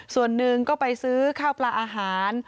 ส่วนหนึ่งก็ไปซื้อข้าวปลาอาหาร